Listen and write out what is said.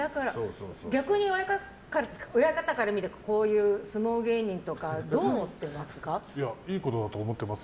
逆に、親方から見てこういう相撲芸人とかいいことだと思ってます。